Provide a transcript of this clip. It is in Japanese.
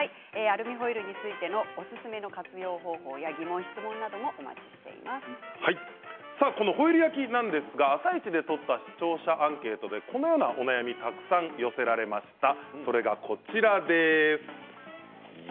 アルミホイルについてのおすすめの活用方法やこのホイル焼きなんですが「あさイチ」で取った視聴者アンケートでこのようなお悩みがたくさん寄せられました。